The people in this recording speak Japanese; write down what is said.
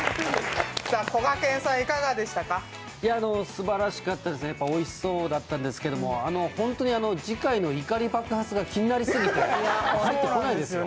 すばらしかったですね、おいしそうだったんですけど本当に次回の怒り爆発が気になりすぎて、入ってこないですよ。